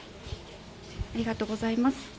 ありがとうございます。